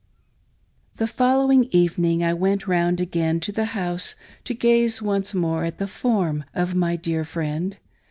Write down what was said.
THE following evening I went round again to the house, to gaze once more at the form of my dear friend.